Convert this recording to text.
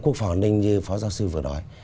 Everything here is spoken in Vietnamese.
quốc phòng an ninh như phó giáo sư vừa nói